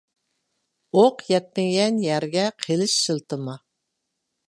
ئوق يەتمىگەن يەرگە قىلىچ شىلتىما.